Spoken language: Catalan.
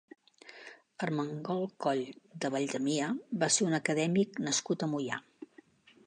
Ermengol Coll de Valldemia va ser un acadèmic nascut a Moià.